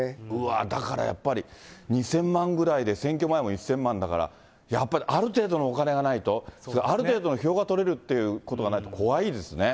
だからやはり２０００万円ぐらいで、選挙前も１０００万だから、やっぱりある程度のお金がないと、ある程度の票が取れるってことがないと、怖いですね。